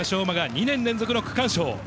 馬が２年連続の区間賞。